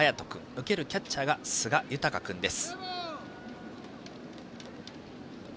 受けるキャッチャーがすがゆたか君です。